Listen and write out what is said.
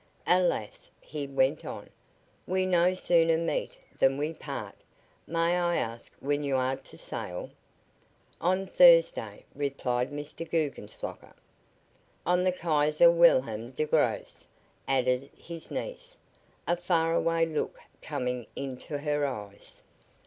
"Alas!" he went on, "we no sooner meet than we part. May I ask when you are to sail?" "On Thursday," replied Mr. Guggenslocker. "On the Kaiser Wilhelm der Grosse," added his niece, a faraway look coming into her eyes.